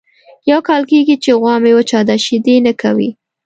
یو کال کېږي چې غوا مې وچه ده شیدې نه کوي.